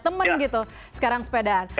teman gitu sekarang sepeda